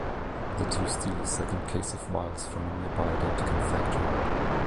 The two steal a second case of vials from a nearby Identicon factory.